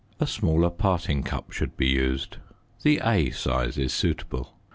A smaller parting cup should be used; the A size is suitable.